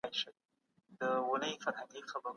توليدي واحدونو خپل فعاليتونه ورو کول.